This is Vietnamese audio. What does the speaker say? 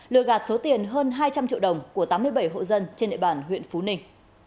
lừa gạt số tiền hơn hai trăm linh triệu đồng của tám mươi bảy hộ dân trên địa bàn huyện phú ninh